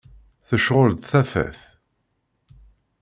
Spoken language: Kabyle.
Tecεel-d tafat.